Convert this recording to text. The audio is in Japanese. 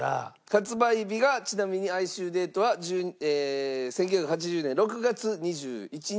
発売日がちなみに『哀愁でいと』は１９８０年６月２１日。